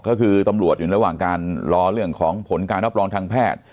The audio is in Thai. ก็คือตำรวจอยู่ระหว่างการรอเรื่องของผลการรับรองทางแพทย์